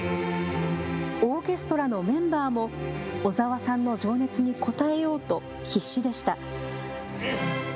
オーケストラのメンバーも小澤さんの情熱に応えようと必死でした。